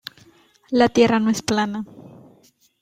Belgrano, las cuales fueron entregadas en mano del Sr.